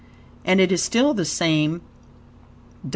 and it is still the same $1.